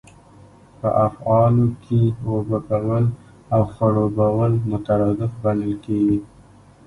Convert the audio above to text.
په افعالو کښي اوبه کول او خړوبول مترادف بلل کیږي.